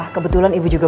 ah iya belum keliru baba